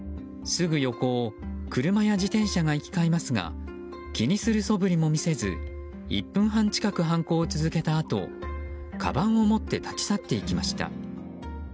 すぐ横を車や自転車が行き交いますが気にするそぶりも見せず１分半近く犯行を続けたあとかばんを持って立ち去っていきました。